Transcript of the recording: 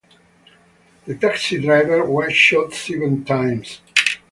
The taxi driver was shot seven times.